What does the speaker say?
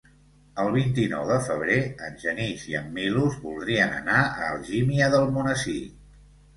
El vint-i-nou de febrer en Genís i en Milos voldrien anar a Algímia d'Almonesir.